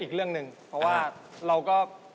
อีกเรื่องหนึ่งเพราะว่าเราก็